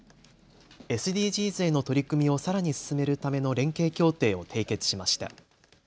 ＳＤＧｓへの取り組みをさらに進めるための連携協定を締結しました。